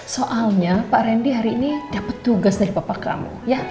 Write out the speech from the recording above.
soalnya pak randy hari ini dapet tugas dari papa kamu ya